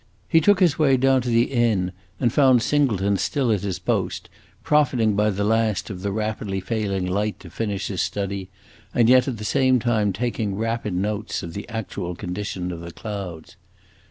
He took his way down to the inn and found Singleton still at his post, profiting by the last of the rapidly failing light to finish his study, and yet at the same time taking rapid notes of the actual condition of the clouds.